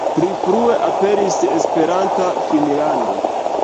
Pli frue aperis "Esperanta Finnlando".